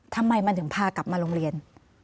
ทำไมมันถึงพากลับมาโรงเรียน